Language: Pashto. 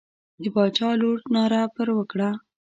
د باچا لور ناره پر وکړه.